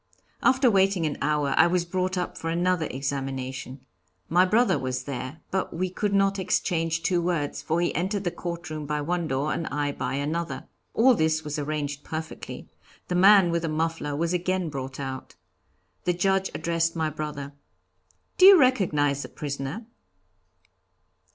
After waiting an hour I was brought up for another examination. My brother was there. But we could not exchange two words, for he entered the courtroom by one door and I by another. All this was arranged perfectly. The man with the muffler was again brought out. The Judge addressed my brother. 'Do you recognize the prisoner?'